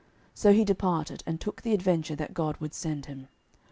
So he departed, and took the adventure that God would send him.